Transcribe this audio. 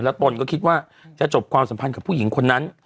ตนก็คิดว่าจะจบความสัมพันธ์กับผู้หญิงคนนั้น